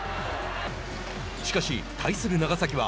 しかし、対する長崎は